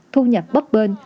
thu nhập bấp bên